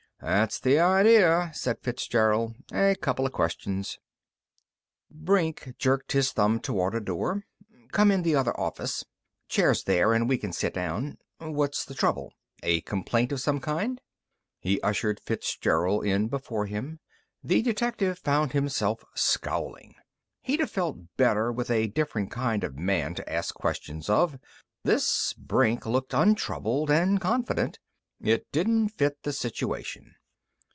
"That's the idea," said Fitzgerald. "A coupla questions." Brink jerked a thumb toward a door. "Come in the other office. Chairs there, and we can sit down. What's the trouble? A complaint of some kind?" He ushered Fitzgerald in before him. The detective found himself scowling. He'd have felt better with a different kind of man to ask questions of. This Brink looked untroubled and confident. It didn't fit the situation.